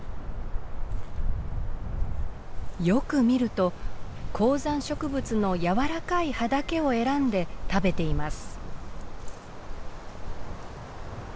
よく見ると高山植物の柔らかい葉だけを選んで食べています。